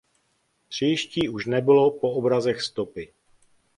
Příští už nebylo po obrazech stopy.